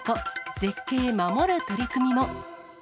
絶景守る取り組みも。